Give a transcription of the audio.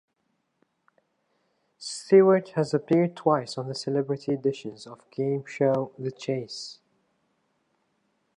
Stewart has appeared twice on the celebrity editions of game show "The Chase".